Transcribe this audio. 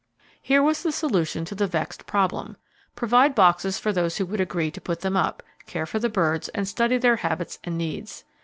Here was the solution to the vexed problem. Provide boxes for those who would agree to put them up, care for the birds, and study their habits and needs.